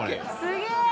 すげえ！